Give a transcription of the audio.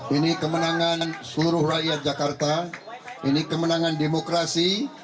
ini kemenangan seluruh rakyat jakarta ini kemenangan demokrasi